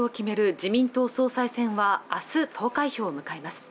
自民党総裁選はあす投開票を迎えます